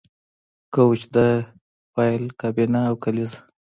کوچ د فایل کابینه او کلیزه